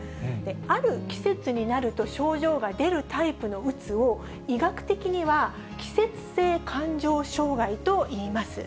ある季節になると症状が出るタイプのうつを、医学的には季節性感情障害といいます。